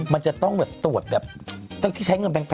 มันจะต้องตรวจที่ใช้เงินแพง